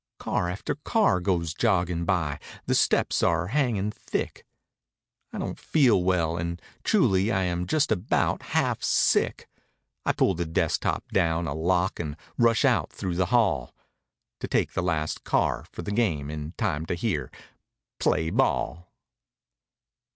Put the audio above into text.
Car after car goes jogging by; the steps are hang¬ ing thick; I don't feel well, and truly I am just about half sick; I pull the desk top down a lock and rush out through the hall— To take the last car for the game in time to hear "Play ball!"